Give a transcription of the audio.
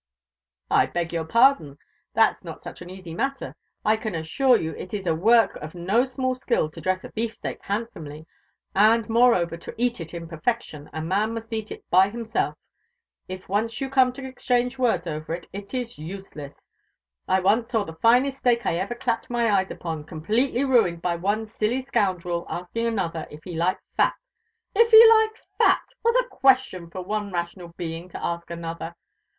"I beg your pardon that's not such an easy matter. I can assure you it is a work of no small skill to dress a beef steak handsomely; and, moreover, to eat it in perfection a man must eat it by himself. If once you come to exchange words over it, it is useless. I once saw the finest steak I ever clapped my eyes upon completely ruined by one silly scoundrel asking another if he liked fat. If he liked fat! what a question for one rational being to ask another!